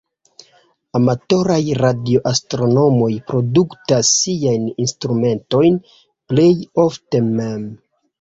Amatoraj-Radioastronomoj produktas siajn instrumentojn plej ofte mem.